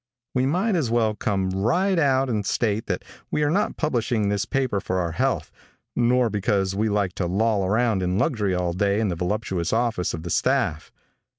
We might as well come right out end state that we are not publishing this paper for our health, nor because we like to loll around in luxury all day in the voluptuous office of the staff.